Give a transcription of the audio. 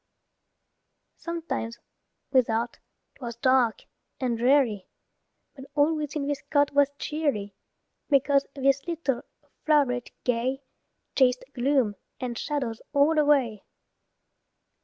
Sometimes, without, 'twas dark and dreary, But all within this cot was cheery, Because this little floweret gay Chased gloom and shadows all away.